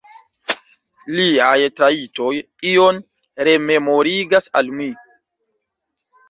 Liaj trajtoj ion rememorigas al mi.